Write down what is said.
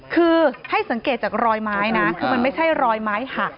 คือให้สังเกตจากรอยไม้นะคือมันไม่ใช่รอยไม้หัก